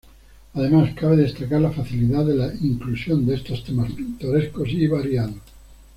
Además cabe destacar la facilidad de la inclusión de estos temas pintorescos y variados.